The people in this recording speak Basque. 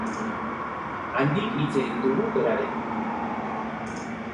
Handik hitz egin dugu berarekin.